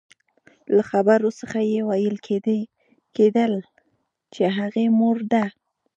له خبرو څخه يې ويل کېدل چې هغې مور ده.